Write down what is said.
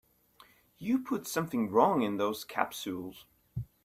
You put something wrong in those capsules.